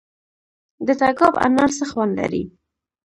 د تګاب انار څه خوند لري؟